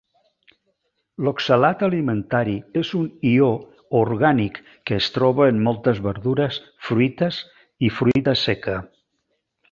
L'oxalat alimentari és un ió orgànic que es troba en moltes verdures, fruites i fruita seca.